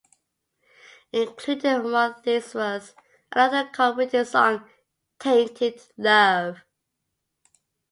Included among these was another Cobb-written song, "Tainted Love".